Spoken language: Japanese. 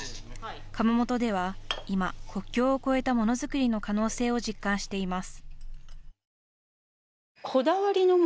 窯元では今、国境を越えたものづくりの可能性を実感しています。